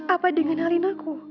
apa dia mengenalin aku